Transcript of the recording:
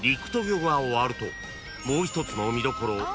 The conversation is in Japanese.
［もう一つの見どころ］